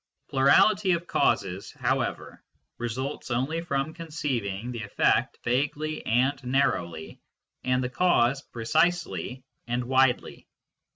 Plurality of causes, however, results only from conceiving the effect vaguely and narrowly and the cause precisely and widely.